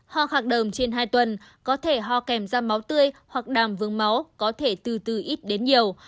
hoa khạc đờm trên hai tuần có thể hoa kèm da máu tươi hoặc đàm vương máu có thể từ từ ít đến nhiều